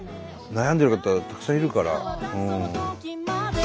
悩んでる方たくさんいるから。